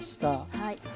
はい。